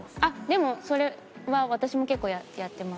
でもそれは私も結構やってます。